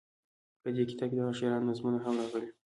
په دې کتاب کې دهغه شاعرانو نظمونه هم راغلي.